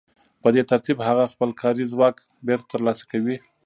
په دې ترتیب هغه خپل کاري ځواک بېرته ترلاسه کوي